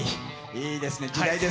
いいですね。